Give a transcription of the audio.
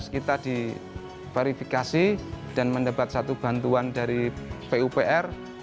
kita diverifikasi dan mendapat satu bantuan dari pupr